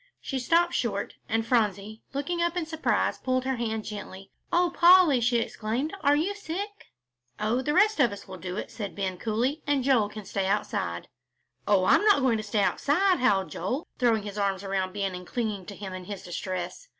She stopped short, and Phronsie, looking up in surprise, pulled her hand gently. "Oh, Polly," she exclaimed, "are you sick?" "Oh, the rest of us will do it," said Ben, coolly, "and Joel can stay outside." "Oh, I'm not going to stay outside," howled Joel, throwing his arms around Ben and clinging to him in his distress.